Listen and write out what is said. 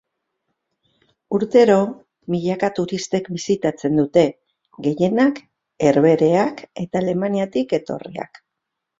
Urtero milaka turistek bisitatzen dute, gehienak Herbehereak eta Alemaniatik etorriak.